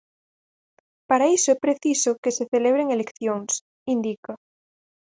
"Para iso é preciso que se celebren eleccións", indica.